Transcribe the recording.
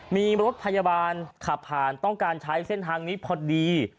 มีรถพยาบาลขับผ่านต้องการใช้เส้นทางนี้พอดี